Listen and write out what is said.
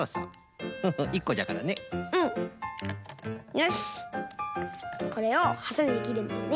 よしこれをはさみできるんだよね。